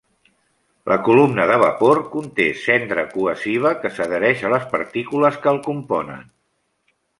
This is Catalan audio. La columna de vapor conté cendra cohesiva que s'adhereix a les partícules que el componen.